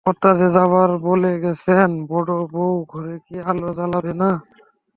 কর্তা যে যাবার সময় বলে গেছেন, বড়োবউ ঘরে কি আলো জ্বালবে না?